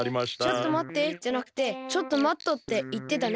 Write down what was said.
「ちょっと待って」じゃなくて「ちょっと待っと」っていってたね。